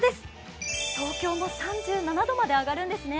東京も３７度まで上がるんですね。